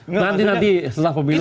nanti nanti setelah pemilu